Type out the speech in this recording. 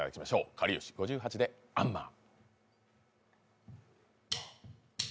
かりゆし５８で「アンマー」。